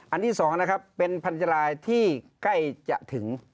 ที่๒นะครับเป็นพันธรายที่ใกล้จะถึง